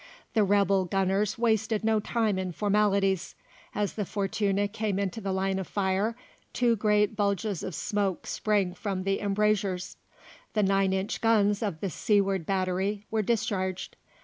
The rebel gunners wasted no time in formalities. As the Fortuna came into the line of fire, two great bulges of smoke sprang from the embrasures; the nine inch guns of the seaward battery were discharged.